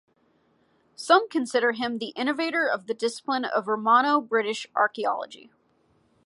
Some consider him the innovator of the discipline of Romano-British archaeology.